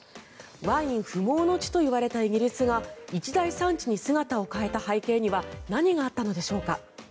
ワイン不毛の地といわれたイギリスが一大産地に姿を変えた背景には何があったのでしょうか。